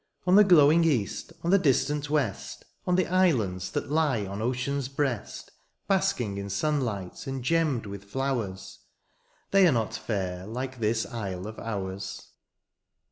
On the glowing east, on the distant west. On the islands that lie on ocean^s breast. Basking in sunlight, and gemmed with flowers ; They are not fair like this isle of ours. 160 LAND OF MY FATHERS.